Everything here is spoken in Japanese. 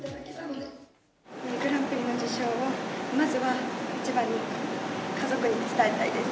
グランプリの受賞を、まずは一番に、家族に伝えたいです。